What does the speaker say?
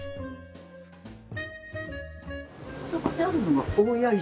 そこにあるのが大谷石。